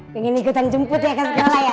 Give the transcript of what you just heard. pengen ikutan jemput ya kan sekolah ya